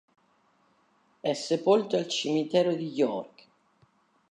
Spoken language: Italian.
È sepolto al Cimitero di York.